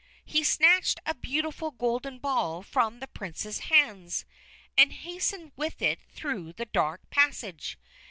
He snatched a beautiful golden ball from the Prince's hands, and hastened with it through the dark passage.